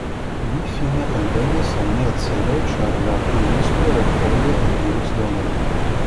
Ni fine alvenis al nia celo, ĉar la kuiristo refoje eniris domon.